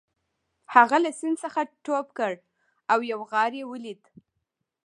هغه له سیند څخه ټوپ کړ او یو غار یې ولید